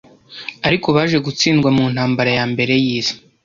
ariko baje gutsindwa mu ntambara ya mbere y'isi,